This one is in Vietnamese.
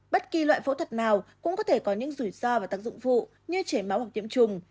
bất kỳ loại phẫu thuật nào cũng có thể có những rủi ro và tác dụng vụ như chế máu hoặc tiễm trùng